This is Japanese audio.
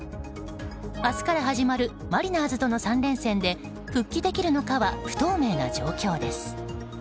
明日から始まるマリナーズとの３連戦で復帰できるのかは不透明な状況です。